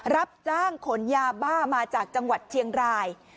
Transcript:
รับจ้างขนยาบ้ามาจากจังหวัดเชียงราย